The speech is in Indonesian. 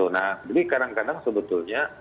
nah jadi kadang kadang sebetulnya